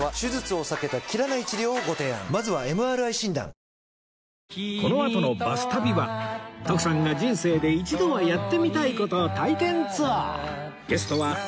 三井不動産このあとの『バス旅』は徳さんが人生で一度はやってみたい事体験ツアー！